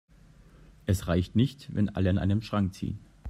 Es reicht nicht, wenn alle an einem Strang ziehen.